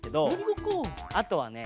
あとはね